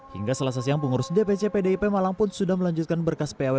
hingga selasa siang pengurus dpc pdip malang pun sudah melanjutkan berkas paw